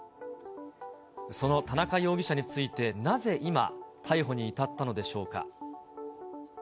その田中容疑者について、なぜ今、逮捕に至ったのでしょうか。